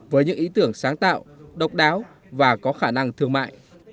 với những ý tưởng sáng tạo độc đáo và có khả năng thương mại